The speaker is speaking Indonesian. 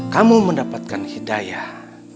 kamu mendapatkan hidayah